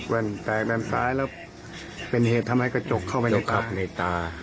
อย่างแตกด้านซ้ายแล้วเป็นเหตุทำให้กระจกเข้าในน้ำเกา่ปในตา